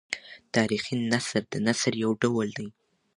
تاریخي نثر د نثر یو ډول دﺉ.